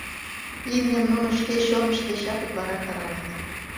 Имньым нуно шке чонышт дечат утларак аралат.